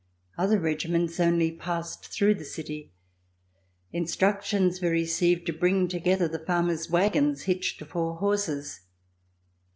Other regiments only passed through the city. Instructions were re ceived to bring together the farmers' wagons hitched to four horses.